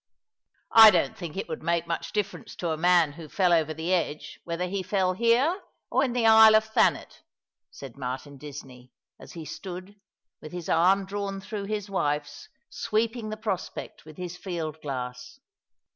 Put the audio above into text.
" I don't think it would make much difference to a man who fell over the edge whether he fell here or in the Isle of Tlianet," said Martin Disney, as he stood, with his arm drawn through his wife's, sweeping the prospect with his field glass.